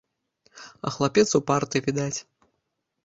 А хлапец упарты, відаць.